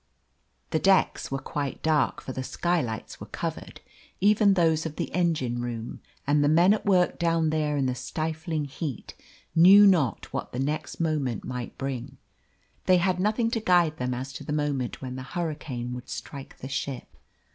The decks were quite dark, for the skylights were covered, even those of the engine room, and the men at work down there in the stifling heat knew not what the next moment might bring. They had nothing to guide them as to the moment when the hurricane would strike the ship.